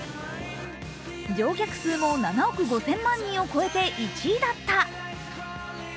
乗客数も７億５０００万人を超えて１位だった。